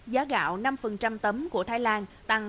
giá gạo năm tấm của thái lan tăng sáu mươi